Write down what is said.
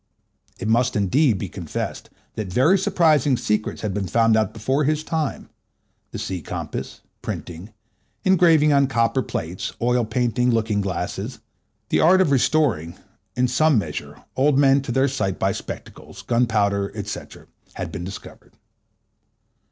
It must, indeed, be confessed that very surprising secrets had been found out before his time—the sea compass, printing, engraving on copper plates, oil painting, looking glasses; the art of restoring, in some measure, old men to their sight by spectacles; gunpowder, &c., had been discovered.